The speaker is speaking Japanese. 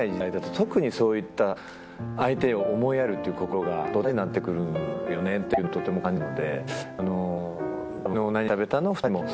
特にそういった相手を思いやるという心がとても大事になってくるよねっていうのをとても感じるので。